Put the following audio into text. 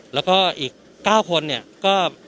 แล้วก็อีก๙คนเนี่ยก็